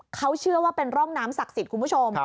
เขาเชื่อว่าเป็นร่องน้ำศักดิ์สิทธิ์คุณผู้ชม